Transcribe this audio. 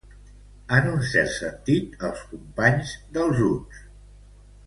En un cert sentit, els companys dels uts.